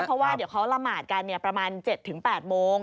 เพราะว่าเดี๋ยวเขาละหมาดกันประมาณ๗๘โมง